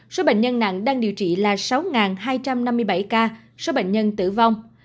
số bệnh nhân nặng đang điều trị là sáu hai trăm năm mươi bảy ca số bệnh nhân tử vong